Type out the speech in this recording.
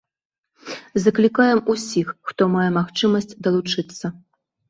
Заклікаем усіх, хто мае магчымасць, далучыцца.